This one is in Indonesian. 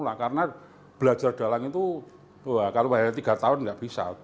wah kalau bayarnya tiga tahun nggak bisa